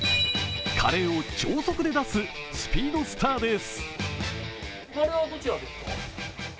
カレーを超速で出すスピードスターです。